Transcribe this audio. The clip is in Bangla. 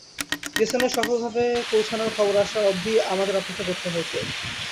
জেসনের সফলভাবে পৌঁছানোর খবর আসা অব্ধি আমাদের অপেক্ষা করতে হতো।